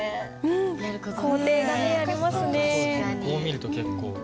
こう見ると結構。